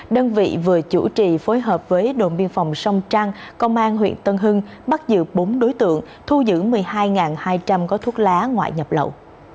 đơn vị vừa chủ trì phối hợp với đồn biên phòng sông trăng công an huyện tân hưng bắt giữ bốn đối tượng thu giữ một mươi hai hai trăm linh gói thuốc lá ngoại nhập lậu